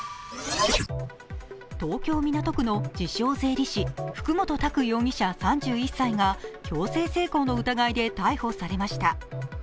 東京・港区の自称・税理士、福本琢容疑者３１歳が強制性交の疑いで逮捕されました。